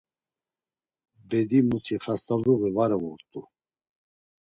Bedi muti xast̆aluği var uğurt̆u.